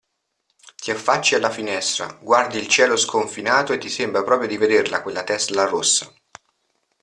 Ti affacci alla finestra, guardi il cielo sconfinato e ti sembra proprio di vederla quella Tesla rossa.